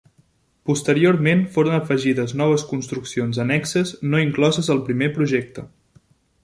Posteriorment foren afegides noves construccions annexes no incloses al primer projecte.